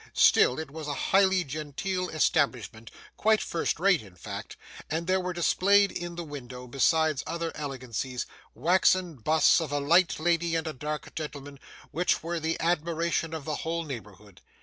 Still, it was a highly genteel establishment quite first rate in fact and there were displayed in the window, besides other elegancies, waxen busts of a light lady and a dark gentleman which were the admiration of the whole neighbourhood.